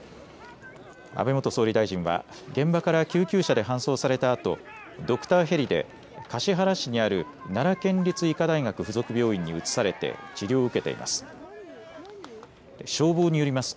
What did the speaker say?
安倍元総理大臣は現場から救急車で搬送されたあとドクターヘリで橿原市にある奈良県立医科大学付属病院に移されて治療を受けています。